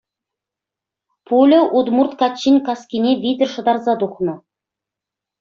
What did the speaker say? Пуля удмурт каччин каскине витӗр шӑтарса тухнӑ.